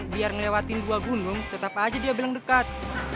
biar ngelewatin dua gunung tetap aja dia bilang dekat